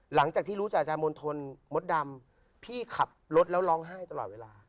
หลังจากที่รู้จากอาจารย์มณฑลมดดำพี่ขับรถแล้วร้องไห้ตลอดเวลา